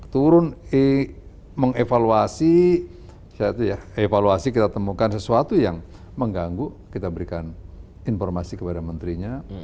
turun mengevaluasi evaluasi kita temukan sesuatu yang mengganggu kita berikan informasi kepada menterinya